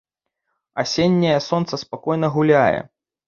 Асенняе сонца спакойна гуляе.